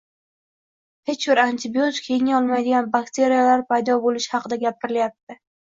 — hech bir antibiotik yenga olmaydigan bakteriyalar paydo bo‘lishi haqida gapirilyapti.